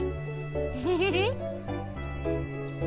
フフフフ。